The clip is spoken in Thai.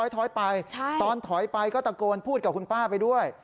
ถอยไปตอนถอยไปก็ตะโกนพูดกับคุณป้าไปด้วย